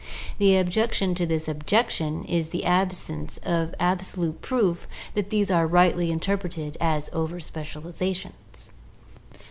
The objection to this objection is the absence of ab solute proof that these are rightly interpreted as over specializa tions.